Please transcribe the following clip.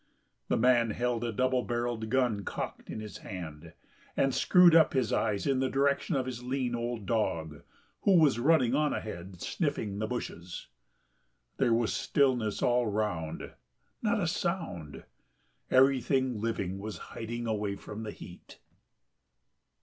The man held a double barrelled gun cocked in his hand, and screwed up his eyes in the direction of his lean old dog who was running on ahead sniffing the bushes. There was stillness all round, not a sound... everything living was hiding away from the heat.